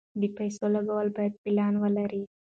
د پیسو لګول باید پلان ولري.